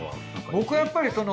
僕はやっぱりその。